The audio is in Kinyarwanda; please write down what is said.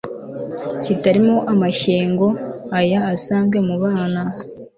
kitarimo amashyengo aya asanzwe mu bana